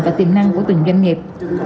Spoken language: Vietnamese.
và tiềm năng của tỉnh doanh nghiệp